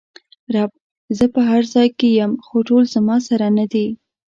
رب: زه په هر ځای کې ېم خو ټول زما سره ندي!